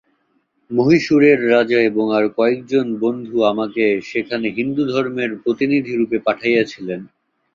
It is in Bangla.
মহীশূরের রাজা এবং আর কয়েকজন বন্ধু আমাকে সেখানে হিন্দুধর্মের প্রতিনিধিরূপে পাঠাইয়াছিলেন।